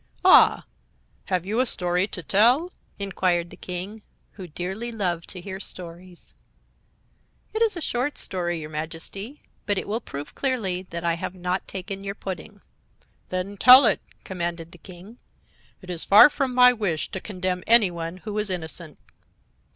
"Ah! Have you a story to tell?" inquired the King, who dearly loved to hear stories. "It is a short story, your Majesty; but it will prove clearly that I have not taken your pudding." "Then tell it," commanded the King. "It is far from my wish to condemn any one who is innocent."